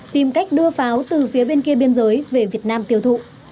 tìm cách đưa pháo từ phía bên kia biên giới về việt nam tiêu thụ